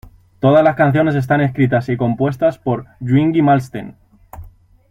Todas las canciones están escritas y compuestas por Yngwie Malmsteen.